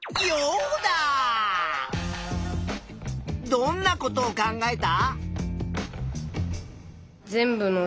どんなことを考えた？